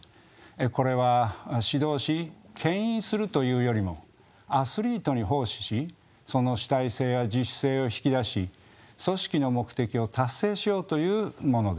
これは指導し牽引するというよりもアスリートに奉仕しその主体性や自主性を引き出し組織の目的を達成しようというものです。